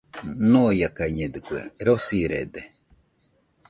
Ñoiakañedɨkue, rosirede.